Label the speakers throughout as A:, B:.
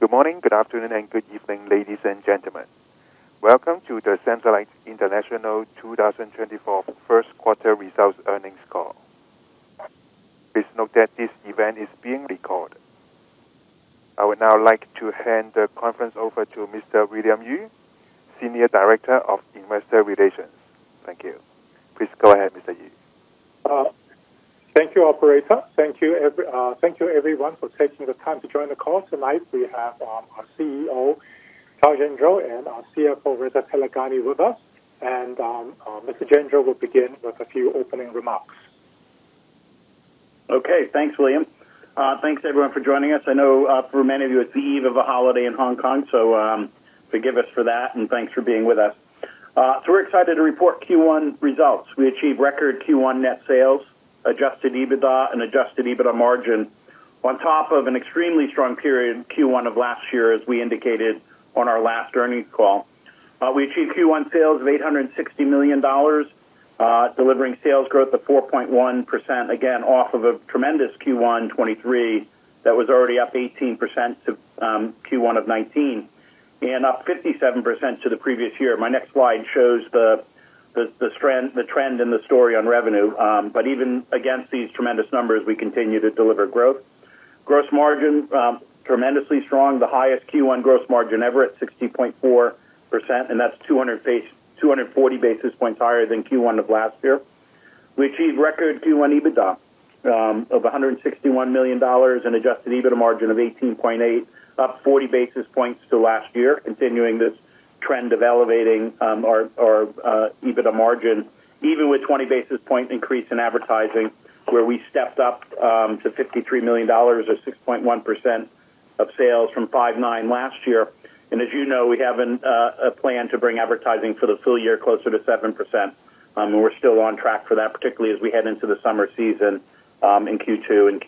A: Good morning, good afternoon, and good evening, ladies and gentlemen. Welcome to the Samsonite International 2024 first quarter results earnings call. Please note that this event is being recorded. I would now like to hand the conference over to Mr. William Yue, Senior Director of Investor Relations. Thank you. Please go ahead, Mr. Yue.
B: Thank you, operator. Thank you everyone for taking the time to join the call. Tonight, we have our CEO, Kyle Gendreau, and our CFO, Reza Taleghani, with us, and Mr. Gendreau will begin with a few opening remarks.
C: Okay, thanks, William. Thanks everyone for joining us. I know, for many of you, it's the eve of a holiday in Hong Kong, so, forgive us for that, and thanks for being with us. So we're excited to report Q1 results. We achieved record Q1 net sales, adjusted EBITDA, and adjusted EBITDA margin on top of an extremely strong period in Q1 of last year, as we indicated on our last earnings call. We achieved Q1 sales of $860 million, delivering sales growth of 4.1%, again, off of a tremendous Q1 2023 that was already up 18% to Q1 of 2019 and up 57% to the previous year. My next slide shows the trend and the story on revenue. But even against these tremendous numbers, we continue to deliver growth. Gross margin tremendously strong, the highest Q1 gross margin ever at 60.4%, and that's 240 basis points higher than Q1 of last year. We achieved record Q1 EBITDA of $161 million and adjusted EBITDA margin of 18.8, up 40 basis points to last year, continuing this trend of elevating our EBITDA margin, even with 20 basis point increase in advertising, where we stepped up to $53 million, or 6.1% of sales from 5.9% last year. As you know, we have a plan to bring advertising for the full year closer to 7%, and we're still on track for that, particularly as we head into the summer season in Q2 and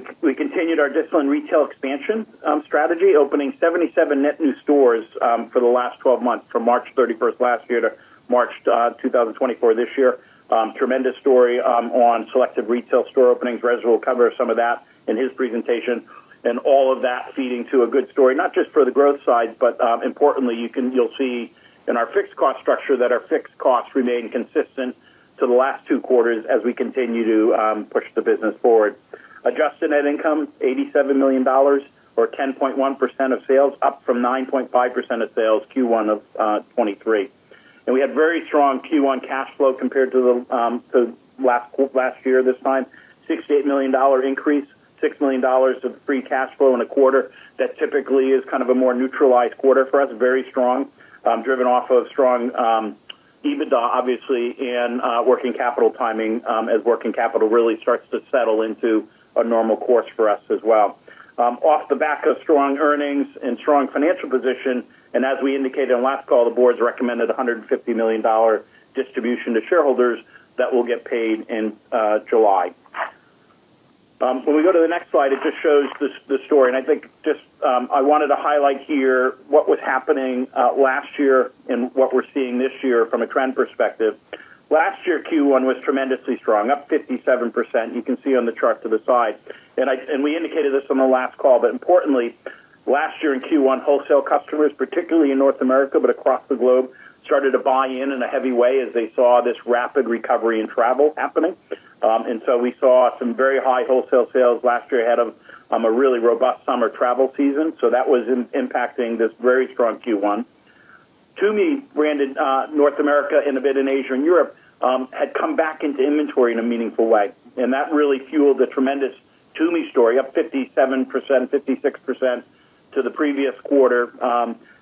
C: Q3. We continued our discipline retail expansion strategy, opening 77 net new stores for the last twelve months, from March 31 last year to March 2024 this year. Tremendous story on selective retail store openings. Reza will cover some of that in his presentation. All of that feeding to a good story, not just for the growth side, but importantly, you'll see in our fixed cost structure that our fixed costs remain consistent to the last two quarters as we continue to push the business forward. Adjusted net income, $87 million, or 10.1% of sales, up from 9.5% of sales, Q1 of 2023. We had very strong Q1 cash flow compared to last year this time, $68 million increase, $6 million of free cash flow in a quarter. That typically is kind of a more neutralized quarter for us. Very strong, driven off of strong EBITDA, obviously, and working capital timing, as working capital really starts to settle into a normal course for us as well. Off the back of strong earnings and strong financial position, and as we indicated on last call, the board's recommended a $150 million distribution to shareholders that will get paid in July. When we go to the next slide, it just shows the story, and I think just I wanted to highlight here what was happening last year and what we're seeing this year from a trend perspective. Last year, Q1 was tremendously strong, up 57%. You can see on the chart to the side. And we indicated this on the last call, but importantly, last year in Q1, wholesale customers, particularly in North America, but across the globe, started to buy in a heavy way as they saw this rapid recovery in travel happening. And so we saw some very high wholesale sales last year ahead of a really robust summer travel season, so that was impacting this very strong Q1. Tumi branded, North America and a bit in Asia and Europe, had come back into inventory in a meaningful way, and that really fueled a tremendous Tumi story, up 57%, 56% to the previous quarter,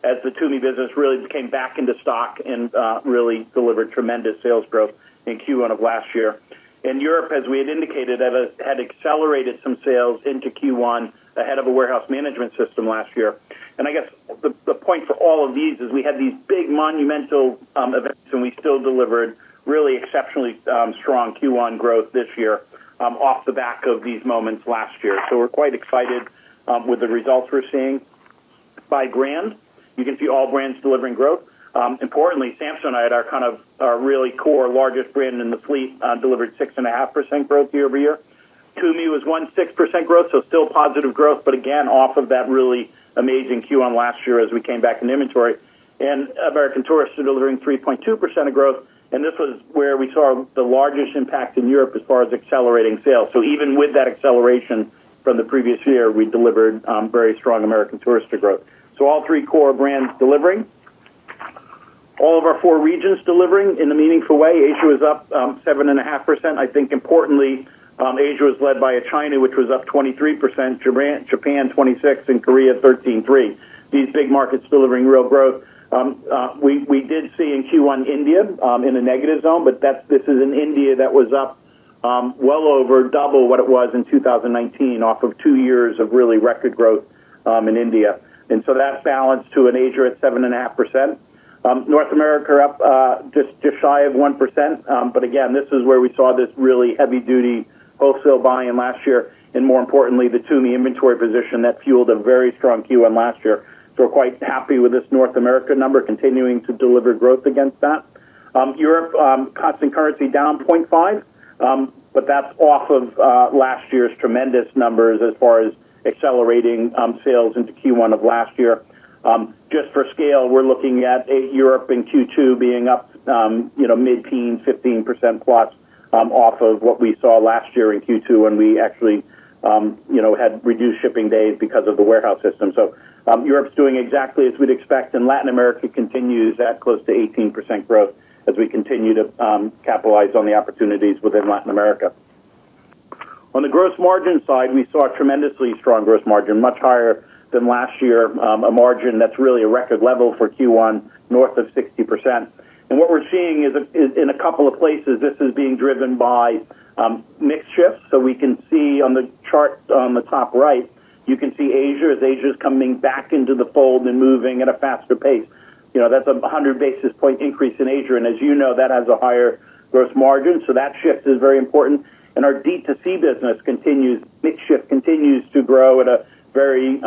C: as the Tumi business really came back into stock and really delivered tremendous sales growth in Q1 of last year. In Europe, as we had indicated, had accelerated some sales into Q1 ahead of a warehouse management system last year. And I guess the point for all of these is we had these big, monumental events, and we still delivered really exceptionally strong Q1 growth this year, off the back of these moments last year. So we're quite excited with the results we're seeing. By brand, you can see all brands delivering growth. Importantly, Samsonite, our kind of our really core, largest brand in the fleet, delivered 6.5% growth year-over-year. Tumi was 1.6% growth, so still positive growth, but again, off of that really amazing Q1 last year as we came back in inventory. And American Tourister delivering 3.2% of growth, and this was where we saw the largest impact in Europe as far as accelerating sales. So even with that acceleration from the previous year, we delivered, very strong American Tourister growth. So all three core brands delivering. All of our four regions delivering in a meaningful way. Asia was up, seven and a half percent. I think importantly, Asia was led by China, which was up 23%, Japan, 26, and Korea, 13.3. These big markets delivering real growth. We did see in Q1, India, in a negative zone, but this is an India that was up well over double what it was in 2019, off of two years of really record growth in India. And so that balanced to an Asia at 7.5%. North America up just shy of 1%, but again, this is where we saw this really heavy-duty wholesale buy-in last year, and more importantly, the Tumi inventory position that fueled a very strong Q1 last year. So we're quite happy with this North America number continuing to deliver growth against that. Europe, constant currency down 0.5%, but that's off of last year's tremendous numbers as far as accelerating sales into Q1 of last year. Just for scale, we're looking at Europe in Q2 being up, you know, mid-teens, 15% plus, off of what we saw last year in Q2, when we actually, you know, had reduced shipping days because of the warehouse system. So, Europe's doing exactly as we'd expect, and Latin America continues at close to 18% growth as we continue to capitalize on the opportunities within Latin America. On the gross margin side, we saw a tremendously strong gross margin, much higher than last year, a margin that's really a record level for Q1, north of 60%. And what we're seeing is in a couple of places, this is being driven by mix shifts. We can see on the chart on the top right, you can see Asia, as Asia is coming back into the fold and moving at a faster pace. You know, that's a 100 basis points increase in Asia, and as you know, that has a higher gross margin, so that shift is very important. Our D2C business continues—mix shift continues to grow at a very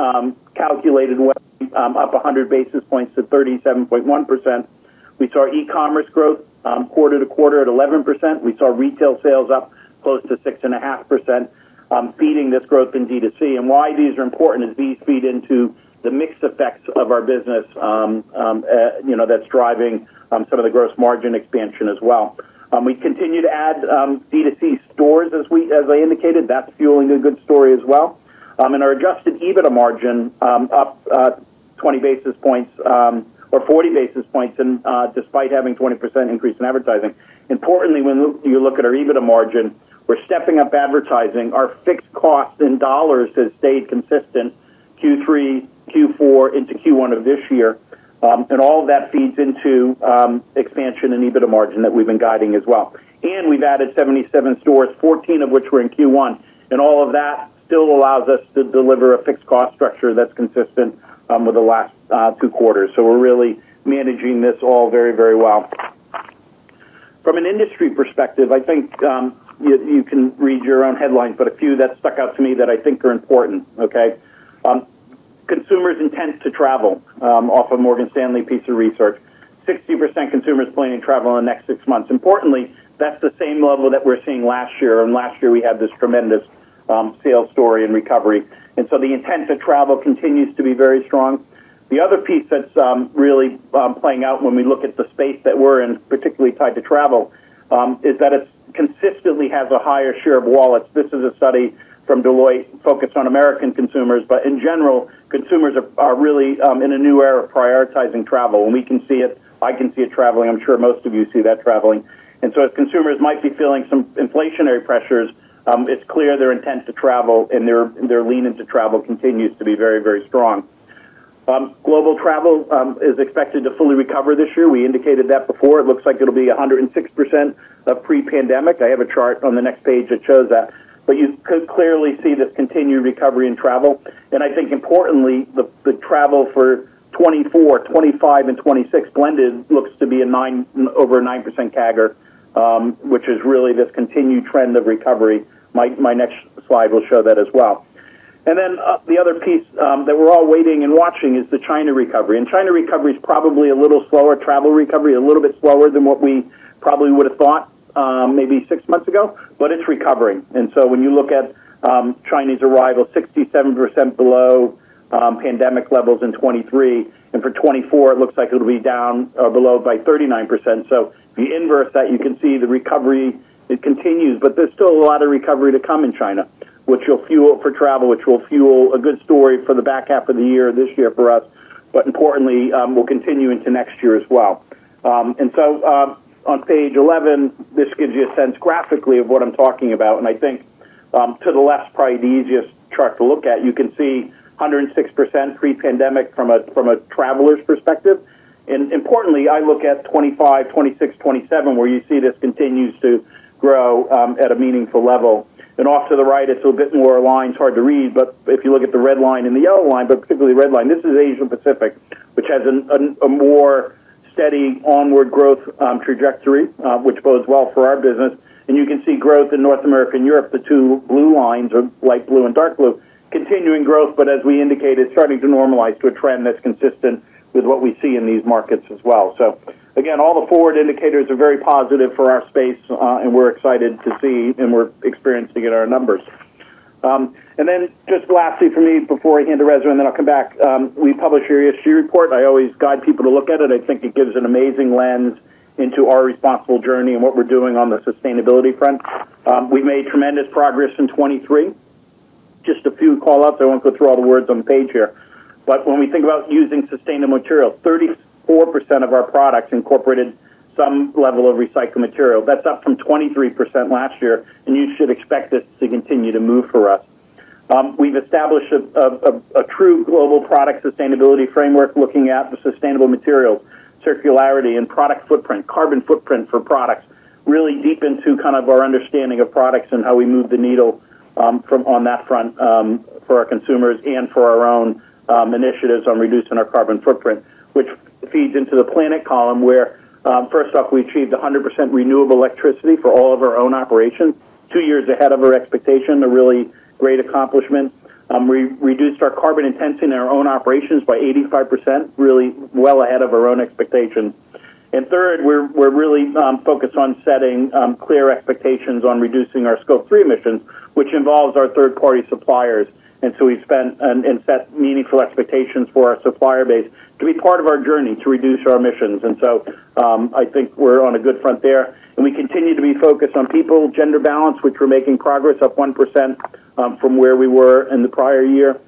C: calculated up a 100 basis points to 37.1%. We saw e-commerce growth quarter-over-quarter at 11%. We saw retail sales up close to 6.5%, feeding this growth in D2C. Why these are important is these feed into the mixed effects of our business, you know, that's driving some of the gross margin expansion as well. We continue to add D2C stores this week, as I indicated, that's fueling a good story as well. Our adjusted EBITDA margin up 20 basis points, or 40 basis points despite having 20% increase in advertising. Importantly, when you look at our EBITDA margin, we're stepping up advertising. Our fixed costs in dollars has stayed consistent, Q3, Q4 into Q1 of this year. All of that feeds into expansion and EBITDA margin that we've been guiding as well. We've added 77 stores, 14 of which were in Q1, and all of that still allows us to deliver a fixed cost structure that's consistent with the last two quarters. So we're really managing this all very, very well. From an industry perspective, I think, you can read your own headlines, but a few that stuck out to me that I think are important, okay? Consumers intent to travel, off a Morgan Stanley piece of research. 60% consumers planning to travel in the next six months. Importantly, that's the same level that we're seeing last year, and last year we had this tremendous, sales story and recovery, and so the intent to travel continues to be very strong. The other piece that's really playing out when we look at the space that we're in, particularly tied to travel, is that it consistently has a higher share of wallets. This is a study from Deloitte focused on American consumers, but in general, consumers are really in a new era of prioritizing travel, and we can see it. I can see it traveling. I'm sure most of you see that traveling. And so as consumers might be feeling some inflationary pressures, it's clear their intent to travel and their, and their lean into travel continues to be very, very strong. Global travel is expected to fully recover this year. We indicated that before. It looks like it'll be 106% of pre-pandemic. I have a chart on the next page that shows that, but you could clearly see this continued recovery in travel, and I think importantly, the travel for 2024, 2025 and 2026 blended looks to be over a 9% CAGR, which is really this continued trend of recovery. My next slide will show that as well. And then, the other piece that we're all waiting and watching is the China recovery, and China recovery is probably a little slower. Travel recovery, a little bit slower than what we probably would have thought, maybe six months ago, but it's recovering. And so when you look at Chinese arrivals 67% below pandemic levels in 2023, and for 2024, it looks like it'll be down below by 39%. So the inverse that you can see, the recovery, it continues, but there's still a lot of recovery to come in China, which will fuel for travel, which will fuel a good story for the back half of the year, this year for us, but importantly, will continue into next year as well. And so, on page 11, this gives you a sense graphically of what I'm talking about, and I think, to the left, probably the easiest chart to look at. You can see 106% pre-pandemic from a traveler's perspective. And importantly, I look at 25, 26, 27, where you see this continues to grow at a meaningful level. And off to the right, it's a little bit more aligned, it's hard to read, but if you look at the red line and the yellow line, but particularly the red line, this is Asia Pacific, which has a more steady onward growth trajectory, which bodes well for our business. And you can see growth in North America and Europe. The two blue lines are light blue and dark blue, continuing growth, but as we indicated, starting to normalize to a trend that's consistent with what we see in these markets as well. So again, all the forward indicators are very positive for our space, and we're excited to see and we're experiencing it in our numbers. And then just lastly from me before I hand it to Reza, and then I'll come back. We publish our ESG report. I always guide people to look at it. I think it gives an amazing lens into our responsible journey and what we're doing on the sustainability front. We made tremendous progress in 2023. Just a few call outs. I won't go through all the words on the page here, but when we think about using sustainable materials, 34% of our products incorporated some level of recycled material. That's up from 23% last year, and you should expect this to continue to move for us. We've established a true global product sustainability framework looking at the sustainable material, circularity and product footprint, carbon footprint for products, really deep into kind of our understanding of products and how we move the needle, from on that front, for our consumers and for our own initiatives on reducing our carbon footprint. Which feeds into the planet column, where, first up, we achieved 100% renewable electricity for all of our own operations, two years ahead of our expectation, a really great accomplishment. We reduced our carbon intensity in our own operations by 85%, really well ahead of our own expectations. And third, we're really focused on setting clear expectations on reducing our Scope 3 emissions, which involves our third-party suppliers. And so we spent and set meaningful expectations for our supplier base to be part of our journey to reduce our emissions. And so, I think we're on a good front there. And we continue to be focused on people, gender balance, which we're making progress, up 1%, from where we were in the prior year.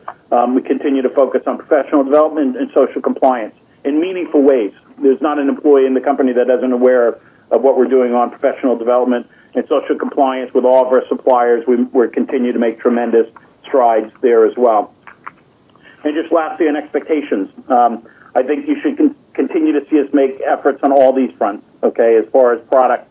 C: We continue to focus on professional development and social compliance in meaningful ways. There's not an employee in the company that isn't aware of what we're doing on professional development and social compliance with all of our suppliers. We're continuing to make tremendous strides there as well. And just lastly, on expectations, I think you should continue to see us make efforts on all these fronts, okay? As far as product,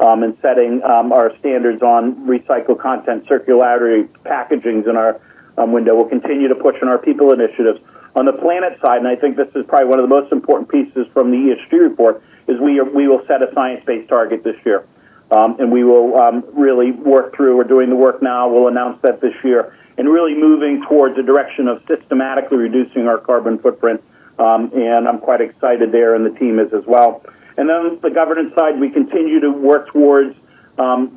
C: and setting, our standards on recycled content, circularity, packagings in our window. We'll continue to push on our people initiatives. On the planet side, and I think this is probably one of the most important pieces from the ESG report, is we will set a science-based target this year. And we will really work through. We're doing the work now. We'll announce that this year, and really moving towards a direction of systematically reducing our carbon footprint. And I'm quite excited there, and the team is as well. Then on the governance side, we continue to work towards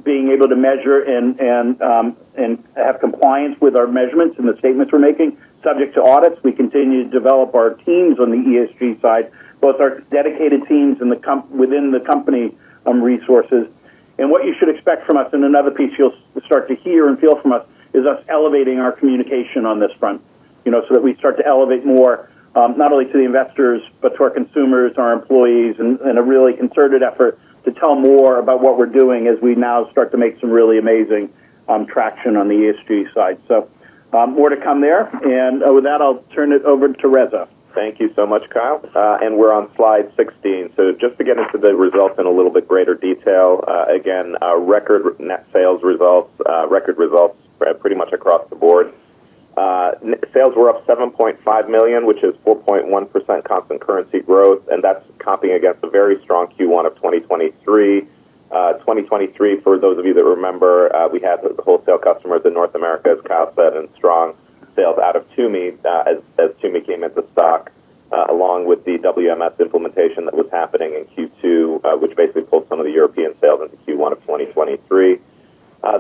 C: being able to measure and have compliance with our measurements and the statements we're making, subject to audits. We continue to develop our teams on the ESG side, both our dedicated teams within the company, resources. What you should expect from us, and another piece you'll start to hear and feel from us, is us elevating our communication on this front. You know, so that we start to elevate more, not only to the investors, but to our consumers, our employees, in a really concerted effort to tell more about what we're doing as we now start to make some really amazing traction on the ESG side. So, more to come there, and with that, I'll turn it over to Reza.
D: Thank you so much, Kyle. We're on slide 16. Just to get into the results in a little bit greater detail, again, a record net sales results, record results pretty much across the board. Sales were up $7.5 million, which is 4.1% comp and currency growth, and that's comping against a very strong Q1 of 2023. 2023, for those of you that remember, we had the wholesale customer, the North America's comp, strong sales out of Tumi, as Tumi came at the stock, along with the WMS implementation that was happening in Q2, which basically pulled some of the European sales into Q1 of 2023.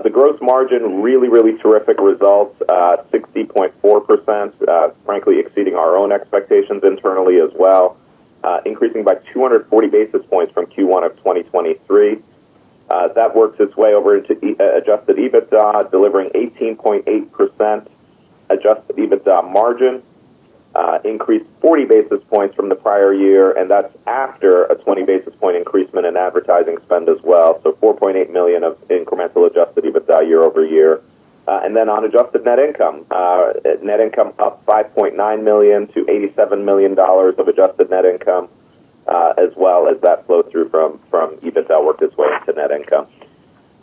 D: The gross margin, really, really terrific results, 60.4%, frankly, exceeding our own expectations internally as well, increasing by 240 basis points from Q1 of 2023. That works its way over into adjusted EBITDA, delivering 18.8% adjusted EBITDA margin, increased 40 basis points from the prior year, and that's after a 20 basis point increase in an advertising spend as well, so $4.8 million of incremental adjusted EBITDA year-over-year. And then on adjusted net income, net income up $5.9 million-$87 million of adjusted net income, as well as that flow through from EBITDA worked its way into net income.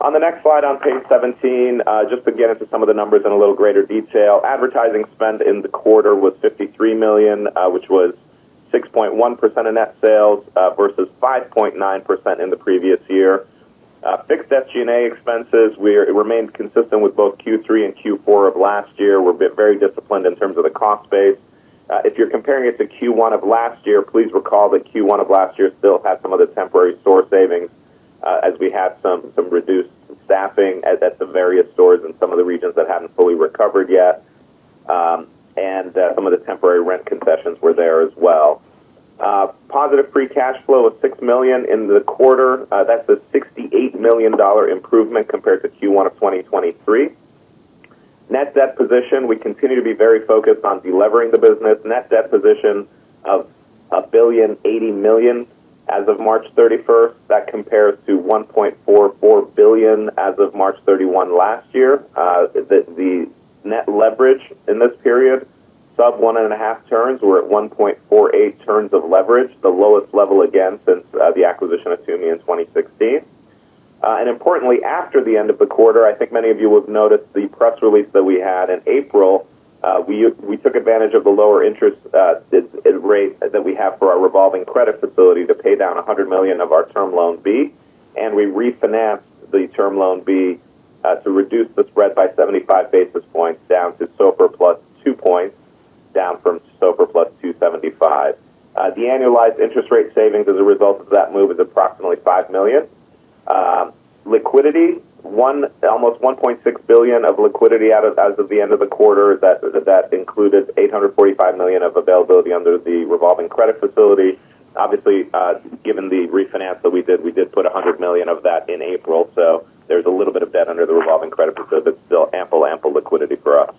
D: On the next slide, on page 17, just to get into some of the numbers ins a little greater detail. Advertising spend in the quarter was $53 million, which was 6.1% of net sales, versus 5.9% in the previous year. Fixed G&A expenses remained consistent with both Q3 and Q4 of last year. We're very disciplined in terms of the cost base. If you're comparing it to Q1 of last year, please recall that Q1 of last year still had some of the temporary store savings, as we had some reduced staffing at the various stores in some of the regions that hadn't fully recovered yet, and some of the temporary rent concessions were there as well. Positive free cash flow of $6 million in the quarter, that's a $68 million improvement compared to Q1 of 2023. Net debt position, we continue to be very focused on delevering the business. Net debt position of $1.08 billion as of March 31. That compares to $1.44 billion as of March 31 last year. The net leverage in this period, about 1.5 turns. We're at 1.48 turns of leverage, the lowest level again since the acquisition of Tumi in 2016. And importantly, after the end of the quarter, I think many of you will have noticed the press release that we had in April. We took advantage of the lower interest rate that we have for our revolving credit facility to pay down $100 million of our Term Loan B, and we refinanced the Term Loan B to reduce the spread by 75 basis points down to SOFR plus 2 points, down from SOFR plus 2.75. The annualized interest rate savings as a result of that move is approximately $5 million. Liquidity, almost $1.6 billion of liquidity out as of the end of the quarter. That included $845 million of availability under the revolving credit facility. Obviously, given the refinance that we did, we did put $100 million of that in April. So there's a little bit of that under the revolving credit facility. Still ample liquidity for us.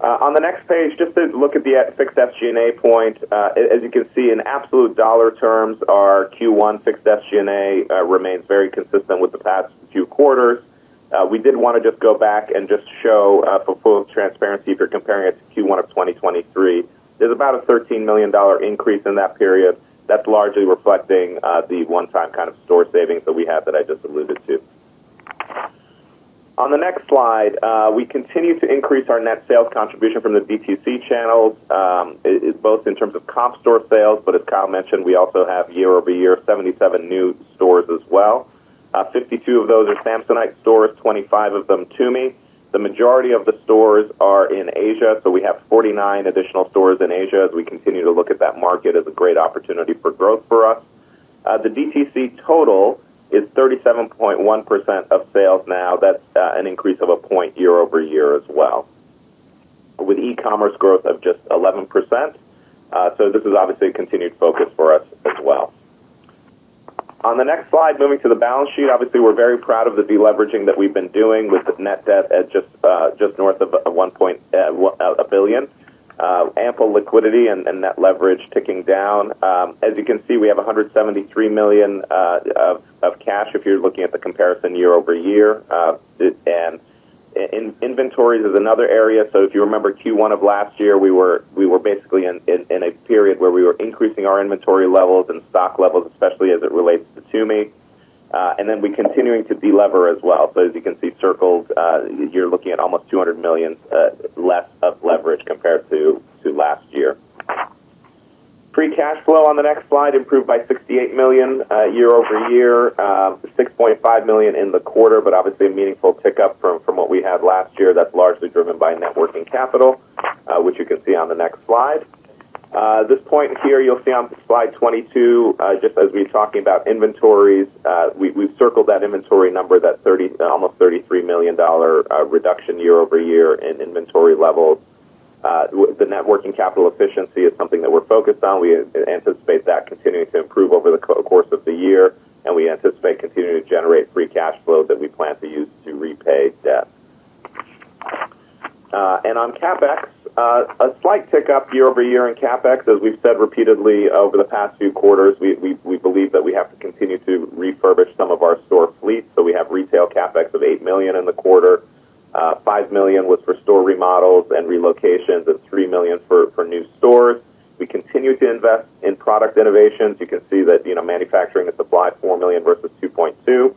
D: On the next page, just a look at the fixed G&A point. As you can see, in absolute dollar terms, our Q1 fixed G&A remains very consistent with the past few quarters. We did want to just go back and just show, for full transparency, if you're comparing it to Q1 of 2023, there's about a $13 million increase in that period. That's largely reflecting, the one-time kind of store savings that we have that I just alluded to. On the next slide, we continue to increase our net sales contribution from the B2C channel, both in terms of comp store sales, but as Kyle mentioned, we also have year-over-year, 77 new stores as well. Fifty-two of those are Samsonite stores, 25 of them Tumi. The majority of the stores are in Asia, so we have 49 additional stores in Asia as we continue to look at that market as a great opportunity for growth for us. The DTC total is 37.1% of sales now. That's an increase of 1 point year-over-year as well, with e-commerce growth of just 11%. So this is obviously a continued focus for us as well. On the next slide, moving to the balance sheet. Obviously, we're very proud of the deleveraging that we've been doing with the net debt at just north of $1 billion. Ample liquidity and net leverage ticking down. As you can see, we have $173 million of cash if you're looking at the comparison year-over-year. Inventory is another area. So if you remember Q1 of last year, we were basically in a period where we were increasing our inventory levels and stock levels, especially as it relates to Tumi, and then we continuing to delever as well. So as you can see circled, you're looking at almost $200 million less of leverage compared to last year. Free cash flow on the next slide improved by $68 million year-over-year, $6.5 million in the quarter, but obviously a meaningful pickup from what we had last year. That's largely driven by net working capital, which you can see on the next slide. This point here, you'll see on slide 22, just as we talked about inventories, we've circled that inventory number, that almost $33 million reduction year-over-year in inventory levels. The net working capital efficiency is something that we're focused on. We anticipate that continuing to improve over the course of the year, and we anticipate continuing to generate free cash flow that we plan to use to repay debt. And on CapEx, a slight pickup year-over-year in CapEx. As we've said repeatedly over the past few quarters, we believe that we have to continue to refurbish some of our store fleet. So we have retail CapEx of $8 million in the quarter, $5 million was for store remodels and relocations, and $3 million for new stores. We continue to invest in product innovations. You can see that, you know, manufacturing and supply, $4 million versus $2.2 million.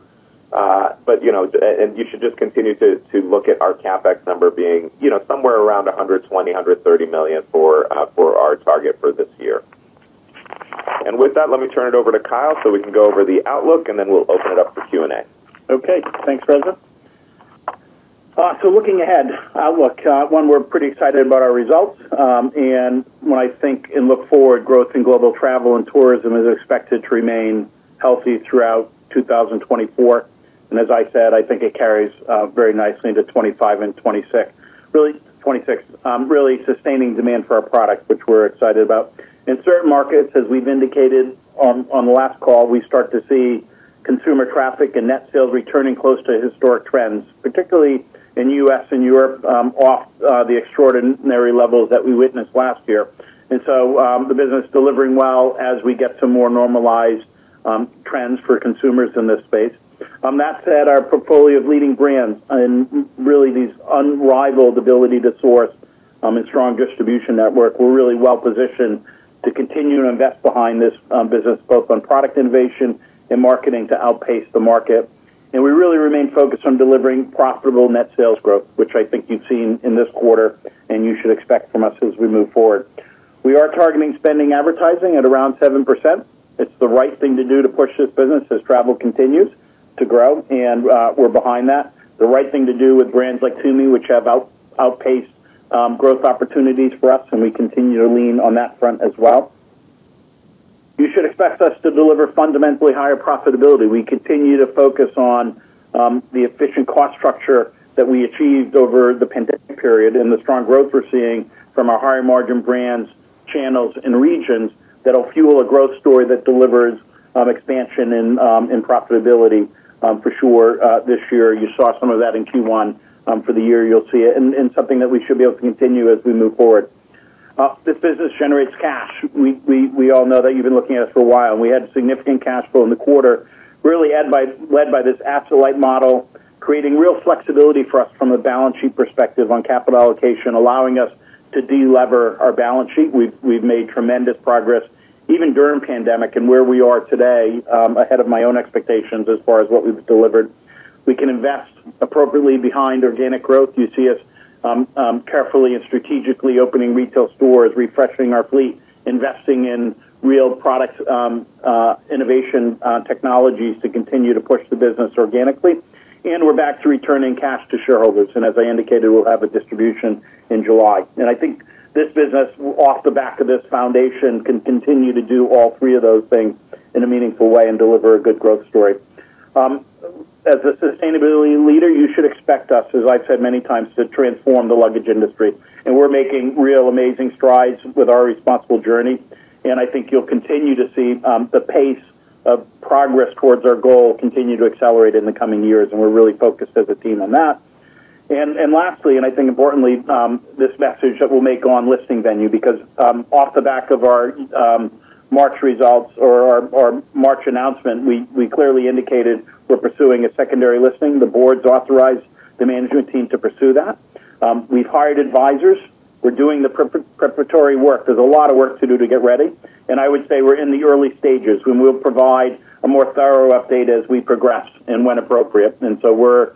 D: But, you know, and you should just continue to, to look at our CapEx number being, you know, somewhere around $120 million-$130 million for, for our target for this year. And with that, let me turn it over to Kyle, so we can go over the outlook, and then we'll open it up for Q&A.
C: Okay, thanks, Reza. So looking ahead, outlook. One, we're pretty excited about our results. And when I think and look forward, growth in global travel and tourism is expected to remain healthy throughout 2024. And as I said, I think it carries very nicely into 2025 and 2026. Really, 2026, really sustaining demand for our products, which we're excited about. In certain markets, as we've indicated on the last call, we start to see consumer traffic and Net Sales returning close to historic trends, particularly in U.S. and Europe, off the extraordinary levels that we witnessed last year. And so, the business is delivering well as we get to more normalized trends for consumers in this space. That said, our portfolio of leading brands and really these unrivaled ability to source, a strong distribution network, we're really well positioned to continue to invest behind this business, both on product innovation and marketing to outpace the market. We really remain focused on delivering profitable net sales growth, which I think you've seen in this quarter, and you should expect from us as we move forward. We are targeting spending advertising at around 7%. It's the right thing to do to push this business as travel continues to grow, and we're behind that. The right thing to do with brands like Tumi, which have outpaced growth opportunities for us, and we continue to lean on that front as well. You should expect us to deliver fundamentally higher profitability. We continue to focus on the efficient cost structure that we achieved over the pandemic period and the strong growth we're seeing from our higher-margin brands, channels, and regions that will fuel a growth story that delivers expansion and profitability for sure this year. You saw some of that in Q1. For the year, you'll see it, and something that we should be able to continue as we move forward. This business generates cash. We all know that you've been looking at us for a while, and we had significant cash flow in the quarter, really led by this asset-light model, creating real flexibility for us from a balance sheet perspective on capital allocation, allowing us to delever our balance sheet. We've made tremendous progress, even during pandemic and where we are today, ahead of my own expectations as far as what we've delivered. We can invest appropriately behind organic growth. You see us carefully and strategically opening retail stores, refreshing our fleet, investing in real product innovation, technologies to continue to push the business organically. And we're back to returning cash to shareholders, and as I indicated, we'll have a distribution in July. And I think this business, off the back of this foundation, can continue to do all three of those things in a meaningful way and deliver a good growth story. As a sustainability leader, you should expect us, as I've said many times, to transform the luggage industry, and we're making real amazing strides with our responsible journey. I think you'll continue to see the pace of progress towards our goal continue to accelerate in the coming years, and we're really focused as a team on that. Lastly, and I think importantly, this message that we'll make on listing venue, because off the back of our March results or our March announcement, we clearly indicated we're pursuing a secondary listing. The board's authorized the management team to pursue that. We've hired advisors. We're doing the preparatory work. There's a lot of work to do to get ready, and I would say we're in the early stages. We will provide a more thorough update as we progress and when appropriate. So we're,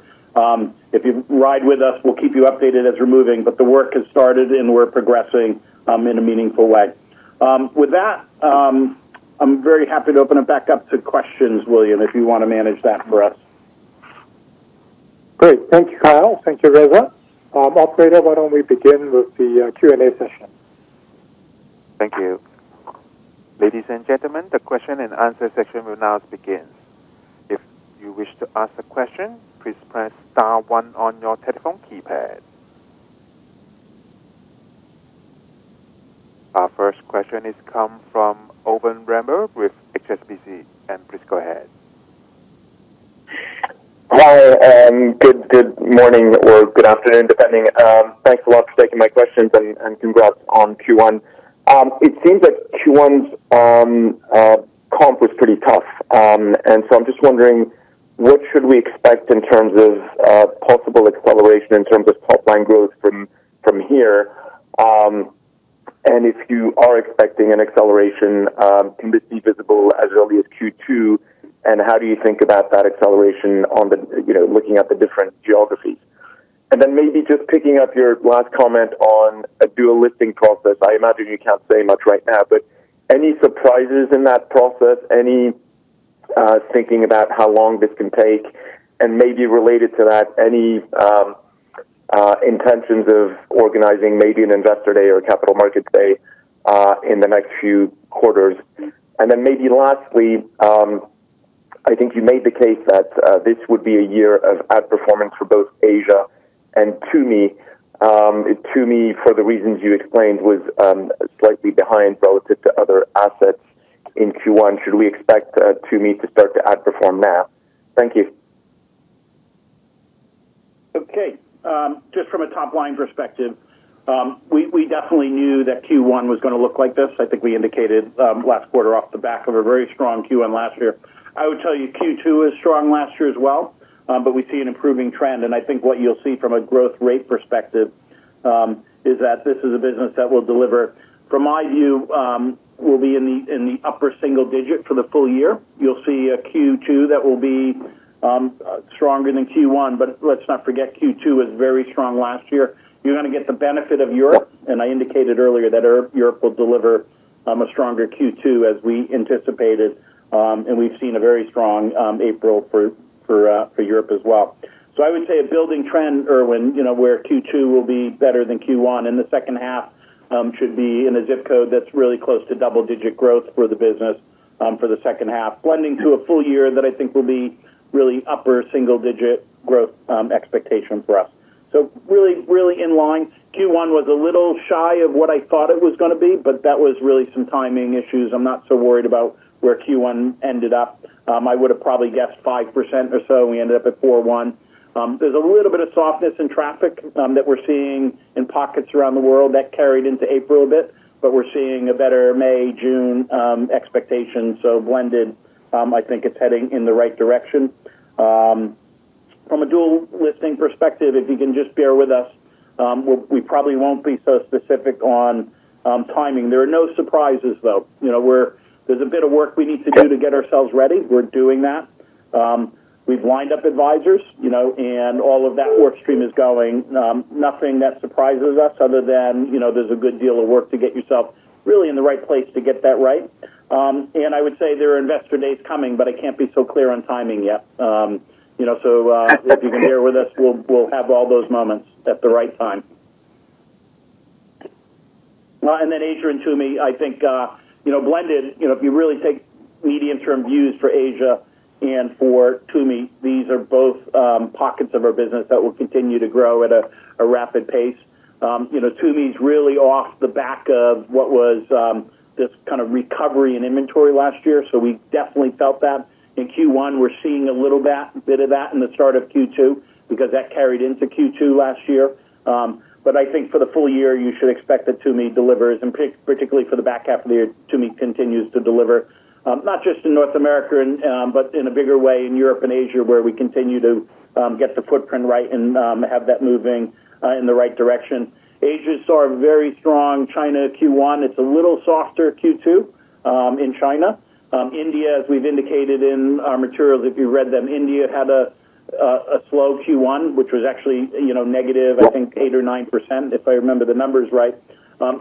C: if you ride with us, we'll keep you updated as we're moving, but the work has started and we're progressing in a meaningful way. With that, I'm very happy to open it back up to questions, William, if you want to manage that for us.
B: Great. Thank you, Kyle. Thank you, Reza. Operator, why don't we begin with the Q&A session?
A: Thank you. Ladies and gentlemen, the question and answer section will now begin. If you wish to ask a question, please press star one on your telephone keypad. Our first question comes from Erwan Rambourg with HSBC, and please go ahead.
E: Hi, and good, good morning or good afternoon, depending. Thanks a lot for taking my questions, and, and congrats on Q1. It seems like Q1's comp was pretty tough. And so I'm just wondering, what should we expect in terms of possible acceleration in terms of pipeline growth from here? And if you are expecting an acceleration, can this be visible as early as Q2, and how do you think about that acceleration on the, you know, looking at the different geographies? And then maybe just picking up your last comment on a dual listing process. I imagine you can't say much right now, but any surprises in that process? Any thinking about how long this can take? Maybe related to that, any intentions of organizing maybe an investor day or a capital markets day in the next few quarters. Then maybe lastly, I think you made the case that this would be a year of outperformance for both Asia and Tumi. Tumi, for the reasons you explained, was slightly behind relative to other assets in Q1. Should we expect Tumi to start to outperform now? Thank you.
C: Okay. Just from a top-line perspective, we definitely knew that Q1 was gonna look like this. I think we indicated last quarter off the back of a very strong Q1 last year. I would tell you Q2 was strong last year as well, but we see an improving trend, and I think what you'll see from a growth rate perspective is that this is a business that will deliver. From my view, we'll be in the upper single digit for the full year. You'll see a Q2 that will be stronger than Q1, but let's not forget, Q2 was very strong last year. You're gonna get the benefit of Europe, and I indicated earlier that Europe will deliver a stronger Q2 as we anticipated, and we've seen a very strong April for Europe as well. So I would say a building trend, Erwan, you know, where Q2 will be better than Q1, and the second half should be in a zip code that's really close to double-digit growth for the business for the second half. Blending to a full year that I think will be really upper single digit growth expectation for us. So really, really in line. Q1 was a little shy of what I thought it was gonna be, but that was really some timing issues. I'm not so worried about where Q1 ended up. I would have probably guessed 5% or so. We ended up at 4.1%. There's a little bit of softness in traffic that we're seeing in pockets around the world. That carried into April a bit, but we're seeing a better May, June expectation. So blended, I think it's heading in the right direction. From a dual listing perspective, if you can just bear with us, we probably won't be so specific on timing. There are no surprises, though. You know, we're—there's a bit of work we need to do to get ourselves ready. We're doing that. We've lined up advisors, you know, and all of that work stream is going. Nothing that surprises us other than, you know, there's a good deal of work to get yourself really in the right place to get that right. And I would say there are investor days coming, but I can't be so clear on timing yet. You know, so, if you can bear with us, we'll have all those moments at the right time. And then Asia and Tumi, I think, you know, blended, you know, if you really take medium-term views for Asia and for Tumi, these are both pockets of our business that will continue to grow at a rapid pace. You know, Tumi's really off the back of what was this kind of recovery in inventory last year, so we definitely felt that. In Q1, we're seeing a little bit of that in the start of Q2 because that carried into Q2 last year. But I think for the full year, you should expect that Tumi delivers, and particularly for the back half of the year, Tumi continues to deliver, not just in North America and, but in a bigger way in Europe and Asia, where we continue to get the footprint right and have that moving in the right direction. Asia saw a very strong China Q1. It's a little softer Q2 in China. India, as we've indicated in our materials, if you read them, India had a slow Q1, which was actually, you know, negative, I think, 8% or 9%, if I remember the numbers right.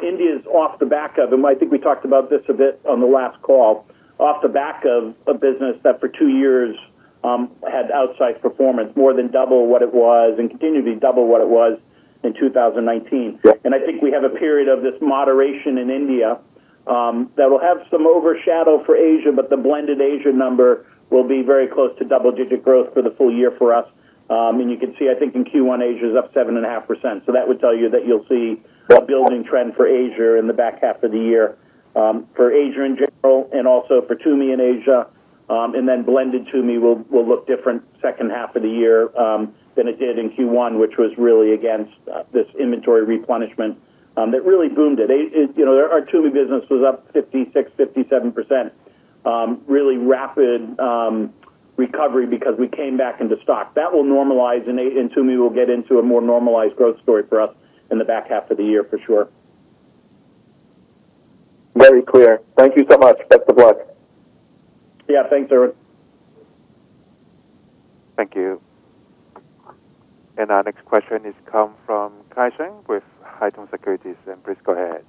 C: India's off the back of... And I think we talked about this a bit on the last call. Off the back of a business that for two years had outsized performance, more than double what it was and continued to double what it was in 2019. And I think we have a period of this moderation in India that will have some overshadow for Asia, but the blended Asia number will be very close to double-digit growth for the full year for us. And you can see, I think in Q1, Asia is up 7.5%, so that would tell you that you'll see a building trend for Asia in the back half of the year. For Asia in general and also for Tumi in Asia, and then blended Tumi will look different second half of the year than it did in Q1, which was really against this inventory replenishment that really boomed it. It, you know, our Tumi business was up 56%-57%. Really rapid recovery because we came back into stock. That will normalize, and Tumi will get into a more normalized growth story for us in the back half of the year for sure.
E: Very clear. Thank you so much. Best of luck.
C: Yeah, thanks, Erwan.
A: Thank you. Our next question comes from Kaicheng with Haitong Securities, and please go ahead.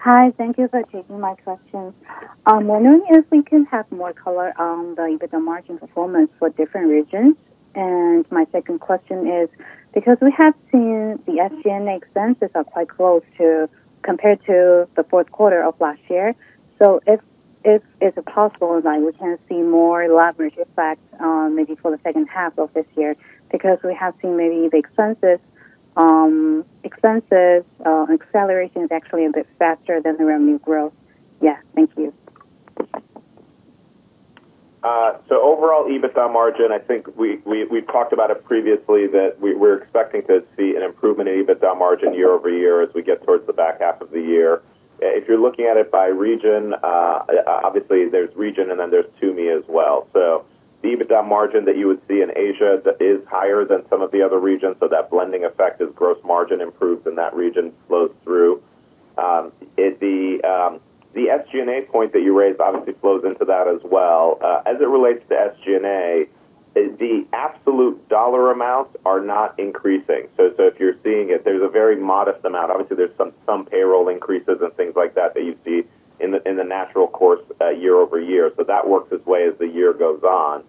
F: Hi, thank you for taking my questions. Wondering if we can have more color on the EBITDA margin performance for different regions. And my second question is, because we have seen the SG&A expenses are quite close to, compared to the fourth quarter of last year. So if it's possible, then we can see more leverage effect, maybe for the second half of this year, because we have seen maybe the expenses acceleration is actually a bit faster than the revenue growth. Yeah. Thank you.
D: So overall, EBITDA margin, I think we've talked about it previously, that we're expecting to see an improvement in EBITDA margin year over year as we get towards the back half of the year. If you're looking at it by region, obviously, there's region, and then there's Tumi as well. So the EBITDA margin that you would see in Asia is higher than some of the other regions, so that blending effect as gross margin improves in that region flows through. The SG&A point that you raised obviously flows into that as well. As it relates to SG&A, the absolute dollar amounts are not increasing. So if you're seeing it, there's a very modest amount. Obviously, there's some payroll increases and things like that, that you'd see in the natural course year-over-year, but that works its way as the year goes on.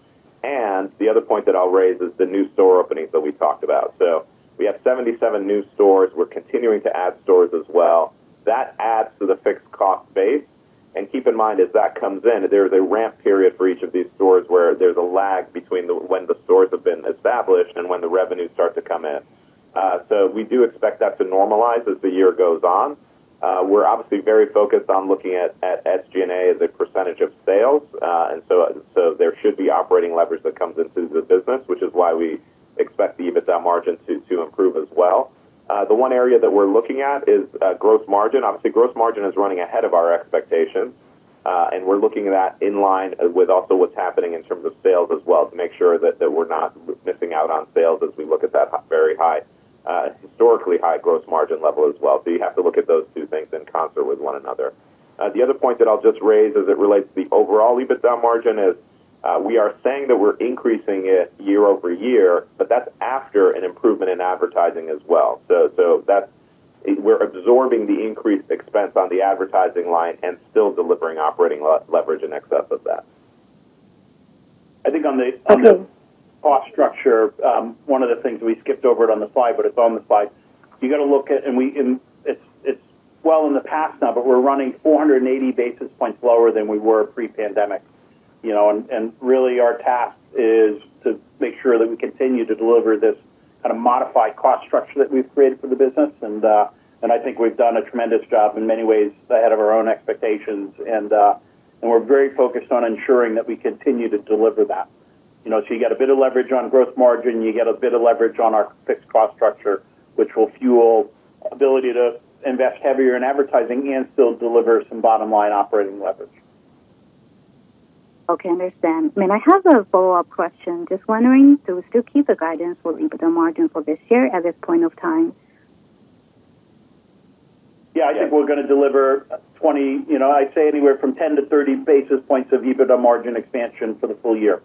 D: The other point that I'll raise is the new store openings that we talked about. We have 77 new stores. We're continuing to add stores as well. That adds to the fixed cost base, and keep in mind, as that comes in, there's a ramp period for each of these stores where there's a lag between when the stores have been established and when the revenues start to come in. So we do expect that to normalize as the year goes on. We're obviously very focused on looking at SG&A as a percentage of sales. And so there should be operating leverage that comes into the business, which is why we expect the EBITDA margin to improve as well. The one area that we're looking at is gross margin. Obviously, gross margin is running ahead of our expectations, and we're looking at that in line with also what's happening in terms of sales as well, to make sure that we're not missing out on sales as we look at that very high, historically high gross margin level as well. So you have to look at those two things in concert with one another. The other point that I'll just raise as it relates to the overall EBITDA margin is we are saying that we're increasing it year-over-year, but that's after an improvement in advertising as well. We're absorbing the increased expense on the advertising line and still delivering operating leverage in excess of that.
C: I think on the cost structure, one of the things, we skipped over it on the slide, but it's on the slide. You got to look at, and it's well in the past now, but we're running 480 basis points lower than we were pre-pandemic. You know, and really, our task is to make sure that we continue to deliver this kind of modified cost structure that we've created for the business. And I think we've done a tremendous job in many ways ahead of our own expectations, and we're very focused on ensuring that we continue to deliver that. You know, so you get a bit of leverage on gross margin, you get a bit of leverage on our fixed cost structure, which will fuel ability to invest heavier in advertising and still deliver some bottom-line operating leverage.
F: Okay, understand. I have a follow-up question. Just wondering, do we still keep the guidance for EBITDA margin for this year at this point of time?
C: Yeah, I think we're going to deliver 20, you know, I'd say anywhere from 10-30 basis points of EBITDA margin expansion for the full year.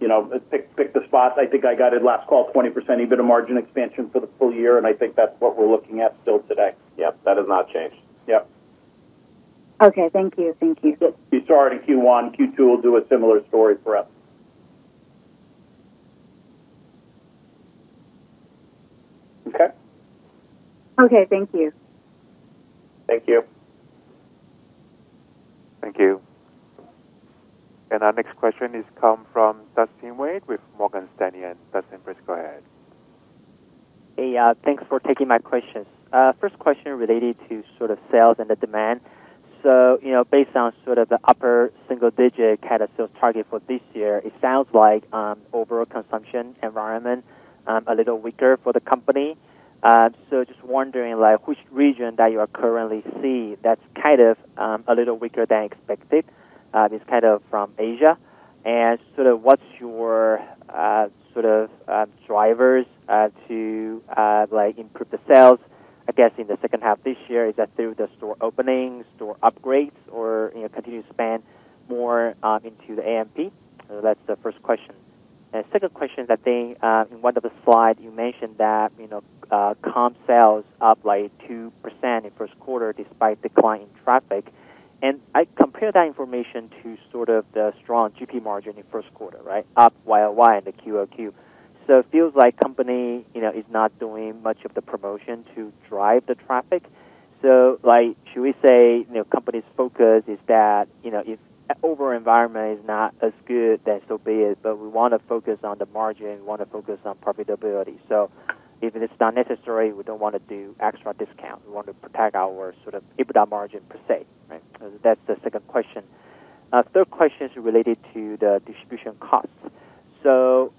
C: You know, pick, pick the spot. I think I got it last call, 20% EBITDA margin expansion for the full year, and I think that's what we're looking at still today.
D: Yep, that has not changed.
C: Yep.
F: Okay. Thank you. Thank you.
C: Be strong in Q1. Q2 will do a similar story for us. Okay?
F: Okay. Thank you.
D: Thank you.
A: Thank you. Our next question comes from Dustin Wei with Morgan Stanley, and Dustin, please go ahead.
G: Hey, thanks for taking my questions. First question related to sort of sales and the demand. So, you know, based on sort of the upper single-digit kind of sales target for this year, it sounds like, overall consumption environment, a little weaker for the company. So just wondering, like, which region that you are currently see that's kind of, a little weaker than expected, this kind of from Asia? And sort of what's your, sort of, drivers, to, like, improve the sales, I guess, in the second half this year? Is that through the store openings, store upgrades, or, you know, continue to spend more, into the AMP? So that's the first question. Second question, that the, in one of the slides, you mentioned that, you know, comp sales up, like, 2% in first quarter despite decline in traffic. And I compare that information to sort of the strong GP margin in first quarter, right? Up YOY and the QOQ. So it feels like company, you know, is not doing much of the promotion to drive the traffic. So, like, should we say, you know, company's focus is that, you know, if overall environment is not as good, then so be it, but we want to focus on the margin. We want to focus on profitability. So if it is not necessary, we don't want to do extra discount. We want to protect our sort of EBITDA margin per se, right? That's the second question. Third question is related to the distribution costs. So,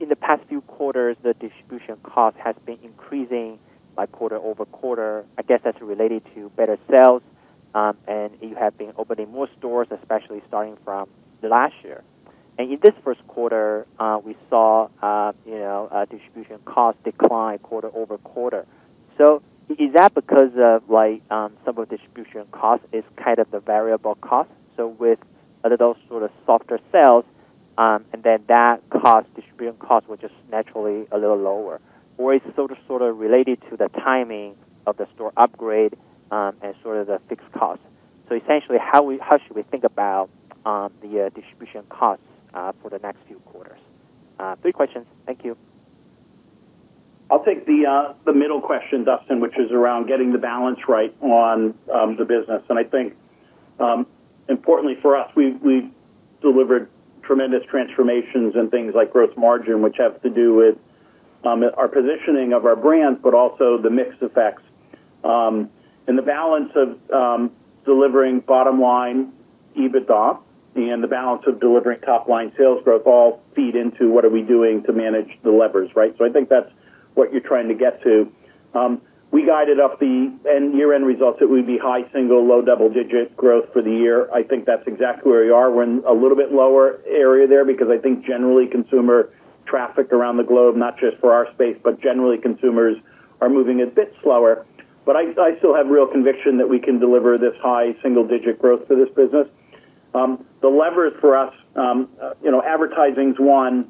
G: in the past few quarters, the distribution cost has been increasing by quarter-over-quarter. I guess that's related to better sales, and you have been opening more stores, especially starting from last year. And in this first quarter, we saw, you know, a distribution cost decline quarter-over-quarter. So is that because of like, some of the distribution cost is kind of the variable cost? So with a little sort of softer sales, and then that cost, distribution cost, which is naturally a little lower, or is it so sort of related to the timing of the store upgrade, and sort of the fixed cost? So essentially, how we- how should we think about, the, distribution costs, for the next few quarters? Three questions. Thank you.
C: I'll take the middle question, Dustin, which is around getting the balance right on the business. And I think importantly for us, we've delivered tremendous transformations in things like gross margin, which have to do with our positioning of our brands, but also the mix effects. And the balance of delivering bottom line EBITDA and the balance of delivering top line sales growth all feed into what are we doing to manage the levers, right? So I think that's what you're trying to get to. We guided up the end-year results that we'd be high single-digit, low double-digit growth for the year. I think that's exactly where we are. We're in a little bit lower area there because I think generally consumer traffic around the globe, not just for our space, but generally consumers are moving a bit slower. But I still have real conviction that we can deliver this high single digit growth for this business. The levers for us, you know, advertising is one,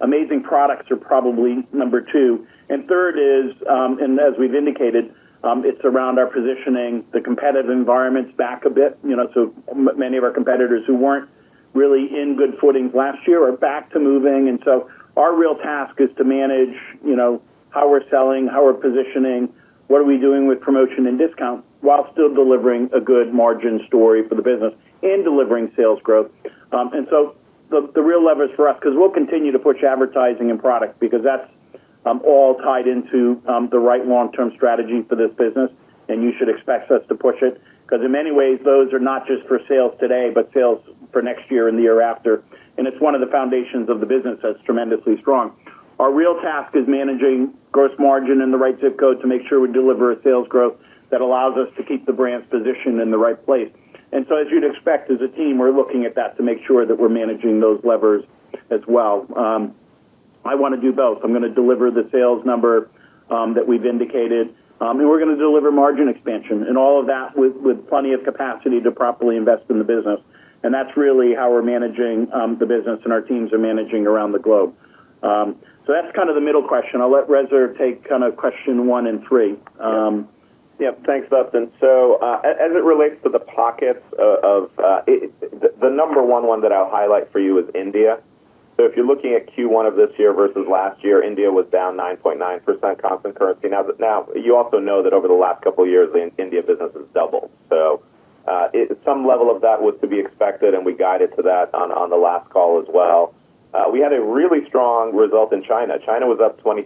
C: amazing products are probably number two, and third is, and as we've indicated, it's around our positioning, the competitive environment is back a bit. You know, so many of our competitors who weren't really in good footing last year are back to moving. And so our real task is to manage, you know, how we're selling, how we're positioning, what are we doing with promotion and discount, while still delivering a good margin story for the business and delivering sales growth. And so the real levers for us, because we'll continue to push advertising and product because that's all tied into the right long-term strategy for this business, and you should expect us to push it, because in many ways, those are not just for sales today, but sales for next year and the year after. And it's one of the foundations of the business that's tremendously strong. Our real task is managing gross margin and the right zip code to make sure we deliver a sales growth that allows us to keep the brand's position in the right place. And so as you'd expect, as a team, we're looking at that to make sure that we're managing those levers as well. I want to do both. I'm going to deliver the sales number, that we've indicated, and we're going to deliver margin expansion and all of that with, with plenty of capacity to properly invest in the business. That's really how we're managing the business and our teams are managing around the globe. So that's kind of the middle question. I'll let Reza take kind of question one and three.
D: Yep, thanks, Dustin. So, as it relates to the pockets of, the number one that I'll highlight for you is India. So if you're looking at Q1 of this year versus last year, India was down 9.9% constant currency. Now, but you also know that over the last couple of years, the India business has doubled. So, some level of that was to be expected, and we guided to that on the last call as well. We had a really strong result in China. China was up 23%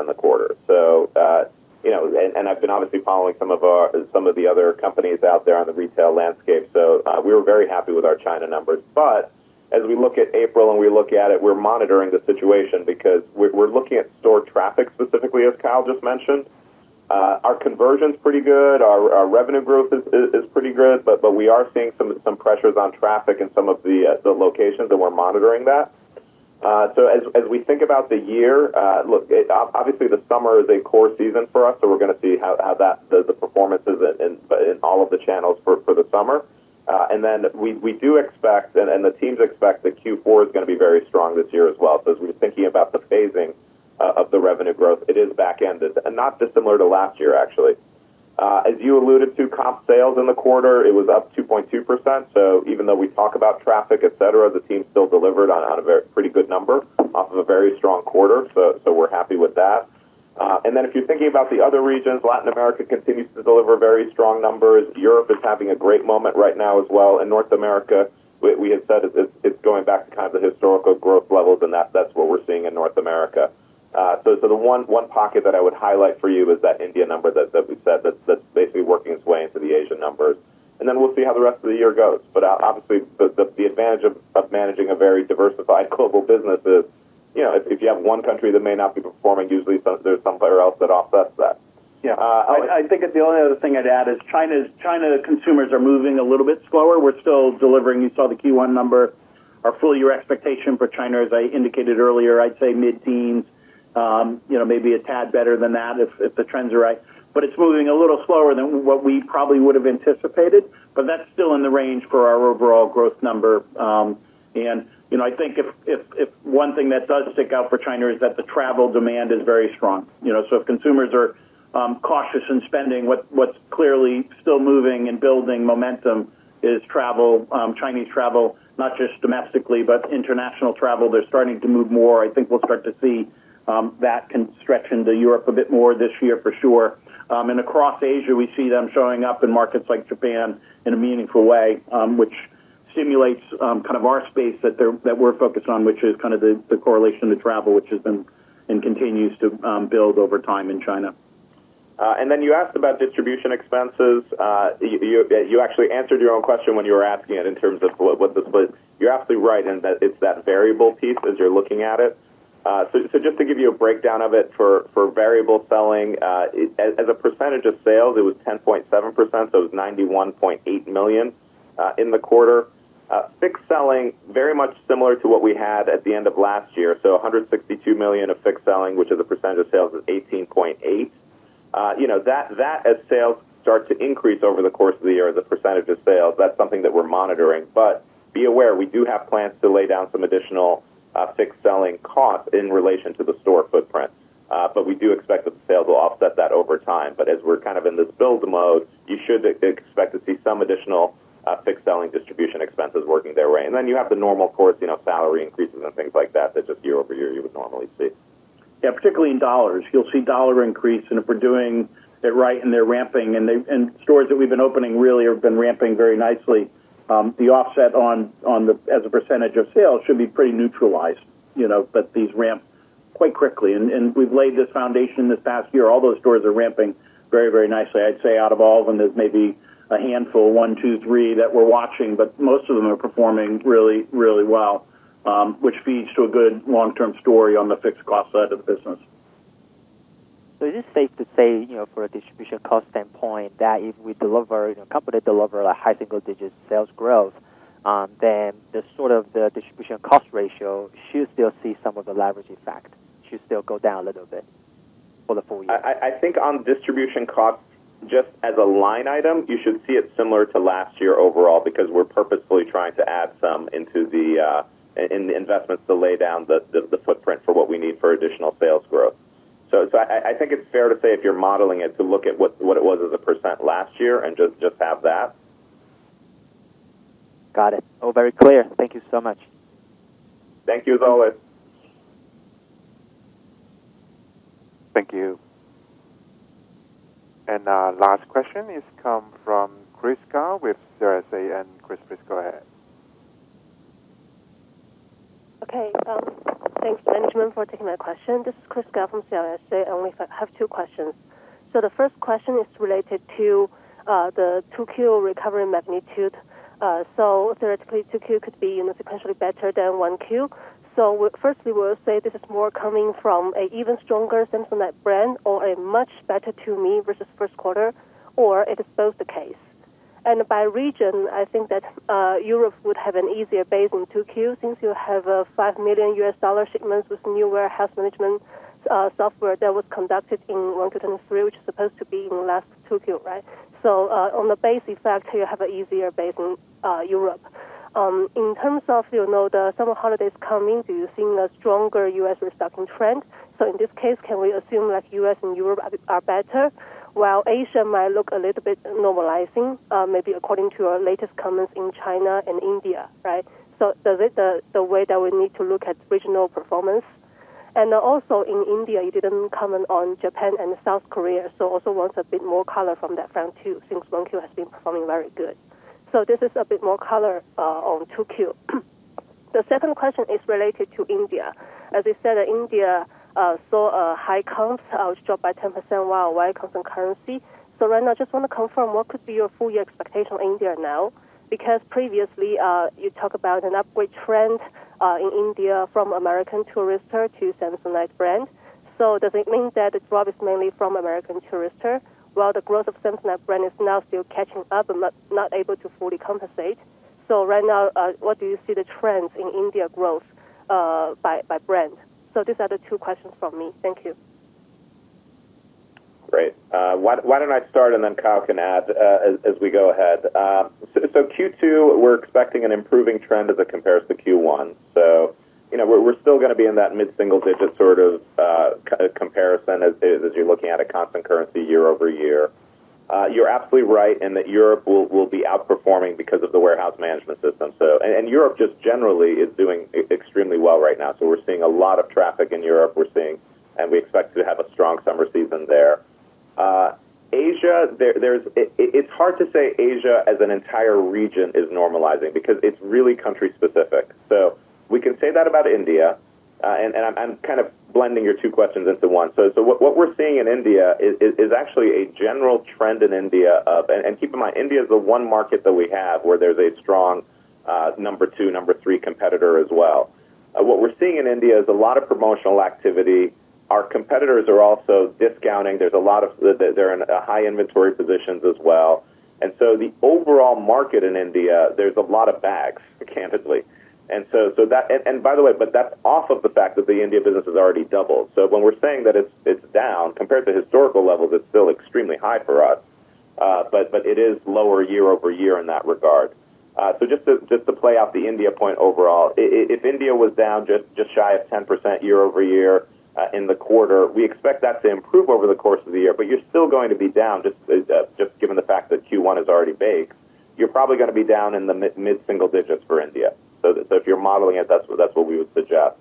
D: in the quarter. So, you know, and I've been obviously following some of the other companies out there on the retail landscape, so, we were very happy with our China numbers. But as we look at April and we look at it, we're monitoring the situation because we're looking at store traffic, specifically, as Kyle just mentioned. Our conversion is pretty good, our revenue growth is pretty good, but we are seeing some pressures on traffic in some of the locations, and we're monitoring that. So as we think about the year, look, obviously the summer is a core season for us, so we're going to see how that, the performance is in all of the channels for the summer. And then we do expect and the teams expect that Q4 is going to be very strong this year as well. So as we're thinking about the phasing of the revenue growth, it is back-ended and not dissimilar to last year, actually. As you alluded to, comp sales in the quarter, it was up 2.2%. So even though we talk about traffic, et cetera, the team still delivered on a very pretty good number off of a very strong quarter. So we're happy with that. And then if you're thinking about the other regions, Latin America continues to deliver very strong numbers. Europe is having a great moment right now as well. In North America, we had said it, it's going back to kind of the historical growth levels, and that's what we're seeing in North America. So the one pocket that I would highlight for you is that India number that we said, that's basically working its way into the Asian numbers. And then we'll see how the rest of the year goes. But obviously, the advantage of managing a very diversified global business is, you know, if you have one country that may not be performing, usually there's somewhere else that offsets that.
C: Yeah, I think the only other thing I'd add is China consumers are moving a little bit slower. We're still delivering. You saw the Q1 number, our full year expectation for China, as I indicated earlier, I'd say mid-teens, you know, maybe a tad better than that if the trends are right. But it's moving a little slower than what we probably would have anticipated, but that's still in the range for our overall growth number. And, you know, I think if one thing that does stick out for China is that the travel demand is very strong. You know, so if consumers are cautious in spending, what's clearly still moving and building momentum is travel, Chinese travel, not just domestically, but international travel. They're starting to move more. I think we'll start to see that can stretch into Europe a bit more this year, for sure. And across Asia, we see them showing up in markets like Japan in a meaningful way, which simulates kind of our space that we're focused on, which is kind of the correlation to travel, which has been and continues to build over time in China. Then you asked about distribution expenses. You actually answered your own question when you were asking it in terms of what the but you're absolutely right in that it's that variable piece as you're looking at it. So just to give you a breakdown of it, for variable selling, as a percentage of sales, it was 10.7%, so it was $91.8 million in the quarter. Fixed selling very much similar to what we had at the end of last year. So $162 million of fixed selling, which as a percentage of sales is 18.8%. You know, that as sales start to increase over the course of the year, the percentage of sales, that's something that we're monitoring. But be aware, we do have plans to lay down some additional fixed selling costs in relation to the store footprint. But we do expect that the sales will offset that over time. But as we're kind of in this build mode, you should expect to see some additional fixed selling distribution expenses working their way. And then you have the normal course, you know, salary increases and things like that, that just year-over-year, you would normally see. Yeah, particularly in dollars. You'll see dollar increase, and if we're doing it right and they're ramping, and stores that we've been opening really have been ramping very nicely. The offset, as a percentage of sales, should be pretty neutralized, you know, but these ramp quite quickly. And we've laid this foundation this past year. All those stores are ramping very, very nicely. I'd say out of all of them, there's maybe a handful, one, two, three, that we're watching, but most of them are performing really, really well, which feeds to a good long-term story on the fixed cost side of the business.
G: So is it safe to say, you know, for a distribution cost standpoint, that if we deliver, the company deliver a high single-digit sales growth, then the sort of the distribution cost ratio should still see some of the leverage effect, should still go down a little bit for the full year?
D: I think on distribution costs, just as a line item, you should see it similar to last year overall because we're purposefully trying to add some into the investments to lay down the footprint for what we need for additional sales growth. So I think it's fair to say if you're modeling it, to look at what it was as a percent last year and just have that.
G: Got it. Oh, very clear. Thank you so much.
D: Thank you, Wei.
A: Thank you. Our last question comes from Chris Gao with CLSA, and Chris, please go ahead.
H: Okay, thanks, gentlemen, for taking my question. This is Chris Gao from CLSA. I only have two questions. So the first question is related to the 2Q recovery magnitude. So theoretically, 2Q could be, you know, potentially better than 1Q. So firstly, we'll say this is more coming from an even stronger Samsonite brand or a much better Tumi versus first quarter, or it is both the case? And by region, I think that Europe would have an easier base in 2Q, since you have a $5 million shipments with new warehouse management software that was conducted in Q1 2023, which is supposed to be in the last 2Q, right? So on the basic fact, you have an easier base in Europe. In terms of, you know, the summer holidays coming, do you see a stronger U.S. restocking trend? So in this case, can we assume that U.S. and Europe are better, while Asia might look a little bit normalizing, maybe according to your latest comments in China and India, right? So, this is the way that we need to look at regional performance. And also in India, you didn't comment on Japan and South Korea, so also want a bit more color from that front, too, since Q1 has been performing very good. So this is a bit more color on Q2. The second question is related to India. As I said, India saw high comps, which dropped by 10%, while in constant currency. So right now, I just want to confirm what could be your full year expectation in India now, because previously, you talk about an upward trend, in India from American Tourister to Samsonite brand. So does it mean that the drop is mainly from American Tourister, while the growth of Samsonite brand is now still catching up and not, not able to fully compensate? So right now, what do you see the trends in India growth, by, by brand? So these are the two questions from me. Thank you.
D: Great. Why don't I start and then Kyle can add, as we go ahead. So Q2, we're expecting an improving trend as it compares to Q1. So you know, we're still gonna be in that mid-single digit sort of comparison as you're looking at a constant currency year-over-year. You're absolutely right in that Europe will be outperforming because of the warehouse management systems. And Europe just generally is doing extremely well right now. So we're seeing a lot of traffic in Europe. We're seeing. And we expect to have a strong summer season there. Asia, it's hard to say Asia as an entire region is normalizing because it's really country specific. So we can say that about India, and I'm kind of blending your two questions into one. So what we're seeing in India is actually a general trend in India of... Keep in mind, India is the one market that we have where there's a strong number two, number three competitor as well. What we're seeing in India is a lot of promotional activity. Our competitors are also discounting. There's a lot of, they're in a high inventory positions as well. And so the overall market in India, there's a lot of bags, candidly. And so that, and by the way, but that's off of the fact that the India business has already doubled. So when we're saying that it's down, compared to historical levels, it's still extremely high for us. But it is lower year over year in that regard. So just to play out the India point overall, if India was down just shy of 10% year over year in the quarter, we expect that to improve over the course of the year, but you're still going to be down given the fact that Q1 is already baked. You're probably gonna be down in the mid single digits for India. So if you're modeling it, that's what we would suggest.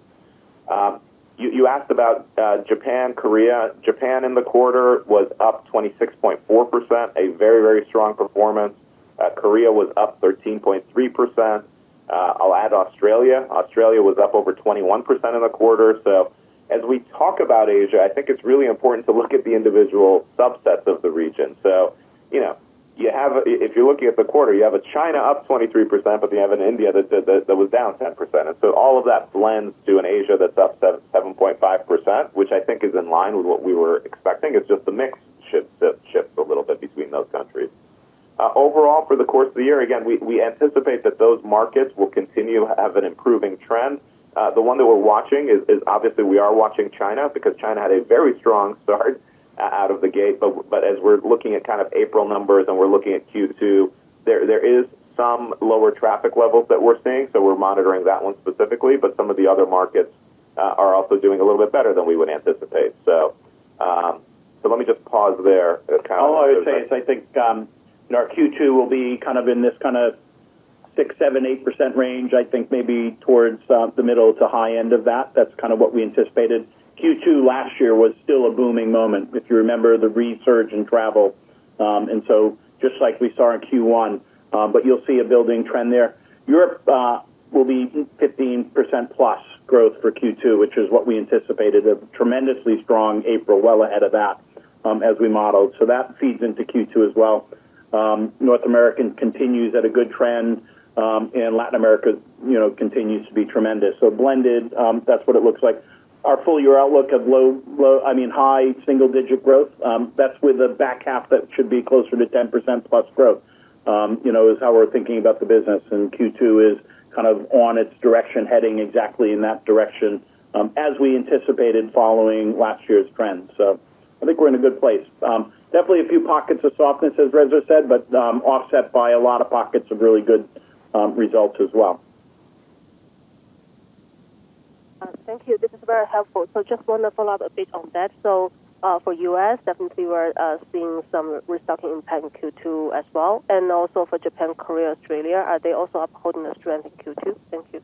D: You asked about Japan, Korea. Japan in the quarter was up 26.4%, a very strong performance. Korea was up 13.3%. I'll add Australia. Australia was up over 21% in the quarter. So as we talk about Asia, I think it's really important to look at the individual subsets of the region. So, you know, you have a. If you're looking at the quarter, you have a China up 23%, but you have an India that was down 10%. So all of that blends to an Asia that's up 7.5%, which I think is in line with what we were expecting. It's just the mix shifts that change between those countries. Overall, for the course of the year, again, we anticipate that those markets will continue to have an improving trend. The one that we're watching is obviously we are watching China, because China had a very strong start out of the gate. But as we're looking at kind of April numbers, and we're looking at Q2, there is some lower traffic levels that we're seeing, so we're monitoring that one specifically. But some of the other markets are also doing a little bit better than we would anticipate. So let me just pause there.
C: Oh, I would say, I think, you know, our Q2 will be kind of in this kind of 6%-8% range. I think maybe towards the middle to high end of that. That's kind of what we anticipated. Q2 last year was still a booming moment, if you remember the resurgence in travel. And so just like we saw in Q1, but you'll see a building trend there. Europe will be 15%+ growth for Q2, which is what we anticipated, a tremendously strong April, well ahead of that, as we modeled. So that feeds into Q2 as well. North America continues at a good trend, and Latin America, you know, continues to be tremendous. So blended, that's what it looks like. Our full year outlook of low, low. I mean, high single-digit growth, that's with a back half that should be closer to 10%+ growth, you know, is how we're thinking about the business. And Q2 is kind of on its direction, heading exactly in that direction, as we anticipated following last year's trends. So I think we're in a good place. Definitely a few pockets of softness, as Reza said, but, offset by a lot of pockets of really good results as well.
H: Thank you. This is very helpful. Just one follow-up a bit on that. For U.S., definitely we're seeing some restocking impact in Q2 as well, and also for Japan, Korea, Australia. Are they also upholding the strength in Q2? Thank you.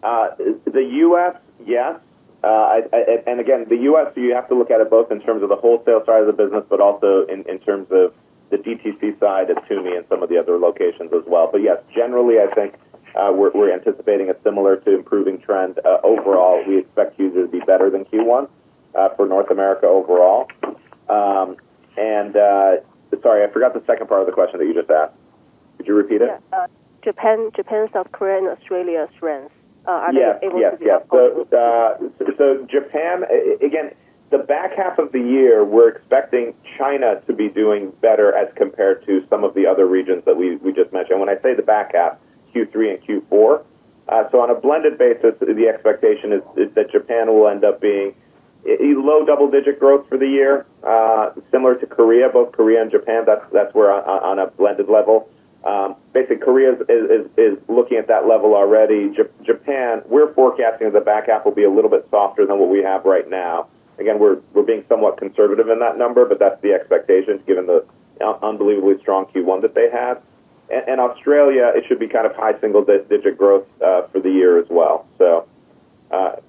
D: The U.S., yes. And again, the U.S., you have to look at it both in terms of the wholesale side of the business, but also in terms of the DTC side of Tumi and some of the other locations as well. But yes, generally, I think we're anticipating a similar to improving trend. Overall, we expect Q2 to be better than Q1 for North America overall. And sorry, I forgot the second part of the question that you just asked. Could you repeat it?
H: Yeah. Japan, Japan, South Korea, and Australia trends, are they able to be?
D: Yes. Yes, yes. So, Japan, again, the back half of the year, we're expecting China to be doing better as compared to some of the other regions that we just mentioned. When I say the back half, Q3 and Q4. So on a blended basis, the expectation is that Japan will end up being a low double-digit growth for the year, similar to Korea. Both Korea and Japan, that's where on a blended level. Basically, Korea is looking at that level already. Japan, we're forecasting the back half will be a little bit softer than what we have right now. Again, we're being somewhat conservative in that number, but that's the expectation given the unbelievably strong Q1 that they had. Australia, it should be kind of high single-digit growth for the year as well. So,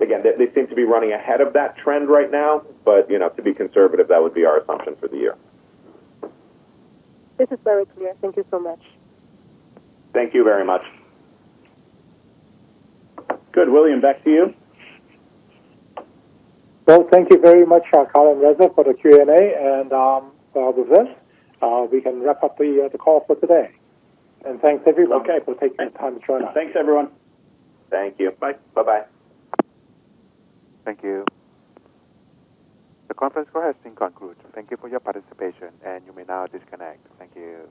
D: again, they seem to be running ahead of that trend right now, but you know, to be conservative, that would be our assumption for the year.
H: This is very clear. Thank you so much.
D: Thank you very much.
C: Good. William, back to you.
B: Well, thank you very much, Kyle and Reza, for the Q&A. And with this, we can wrap up the call for today. And thanks, everyone.
C: Okay
B: for taking the time to join us.
C: Thanks, everyone.
D: Thank you.
C: Bye.
D: Bye-bye.
A: Thank you. The conference call has been concluded. Thank you for your participation, and you may now disconnect. Thank you.